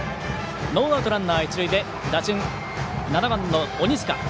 ノーアウトランナー、一塁で打順、７番の鬼塚。